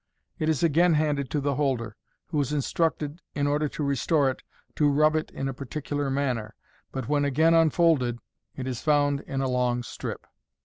It is again handed to the holder, who is instructed, in order to restore it, to rub it in a particular manner; but when again unfolded, it is found in a long strip.